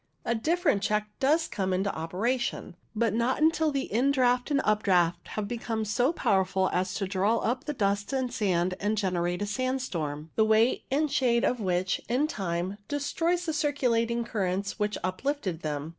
A different check does come into operation, but not until the indraught and updraught have become so powerful as to draw up the dust and sand and generate a sandstorm, the weight and shade of 1 1 8 CUMULO NIMBUS which, in time, destroys the circulating currents which uplifted them.